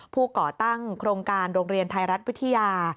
ก่อตั้งโครงการโรงเรียนไทยรัฐวิทยา